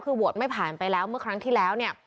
คือโหวตไม่ผ่านไปแล้วเมื่อครั้งที่แล้วเนี่ย